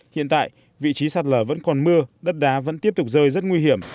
hiện tại vị trí sạt lở vẫn còn mưa đất đá vẫn tiếp tục rơi rất nguy hiểm